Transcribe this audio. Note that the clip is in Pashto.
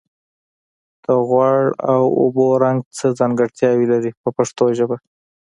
د غوړ او اوبو رنګ څه ځانګړتیاوې لري په پښتو ژبه.